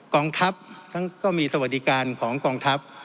กองทัพก็มีสวัสดิการของกองทัพ